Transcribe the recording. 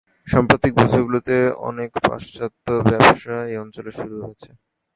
সাম্প্রতিক বছরগুলিতে, অনেক পাশ্চাত্য ব্যবসা এই অঞ্চলে শুরু হয়েছে।